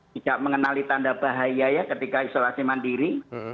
tidak mengenali tanda bahaya ya ketika isolasi mandiri